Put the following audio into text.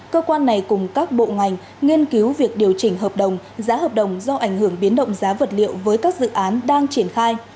cơ quan này cùng các bộ ngành nghiên cứu việc điều chỉnh hợp đồng giá hợp đồng do ảnh hưởng biến động giá vật liệu với các dự án đang triển khai